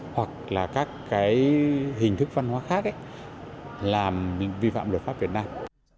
hoặc là các cái hình thức văn hóa khác ấy làm vi phạm luật pháp việt nam